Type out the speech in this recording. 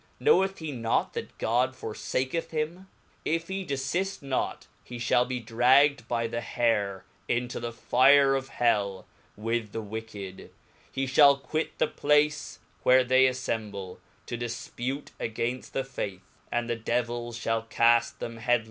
knoweth he not that God forfaketh him > If lie defift not, he fhallbe dragged 1>y the haire into the fire of hell, with the Wicked ; he (liall quit the place where they afifemble, to4ifp»te againft thefaith; and the devils'jliallcaft them head long Chap.